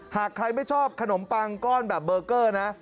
หากใครไม่ชอบขนมปังก้อนแบบเบอร์เกอร์นะ